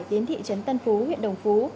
đến thị trấn tân phú huyện đồng phú